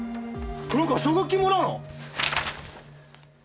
黒川奨学金もらうの？